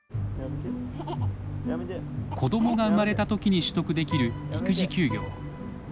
子どもが生まれたときに取得できる育児休業。